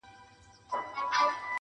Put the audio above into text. زه خو دا يم ژوندی يم,